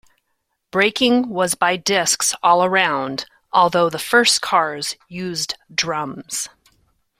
Braking was by discs all around, although the first cars used drums.